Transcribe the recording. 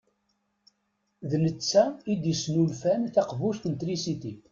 D netta i d-yesnulfan taqbuct n trisit.